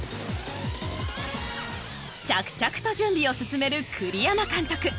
着々と準備を進める栗山監督。